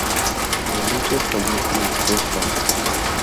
La lucha estalló entre los dos bandos.